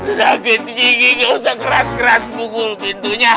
udah gitu ini gak usah keras keras pukul pintunya